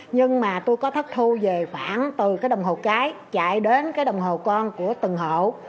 nhưng mà tôi có thất thu về khoảng từ cái đồng hồ cái chạy đến cái đồng hồ con của từng hộ